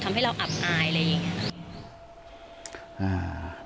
ทำให้เราอับอายอะไรอย่างนี้